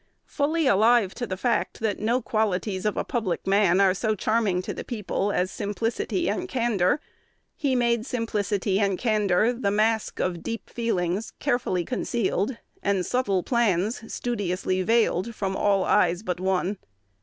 Fully alive to the fact that no qualities of a public man are so charming to the people as simplicity and candor, he made simplicity and candor the mask of deep feelings carefully concealed, and subtle plans studiously veiled from all eyes but one.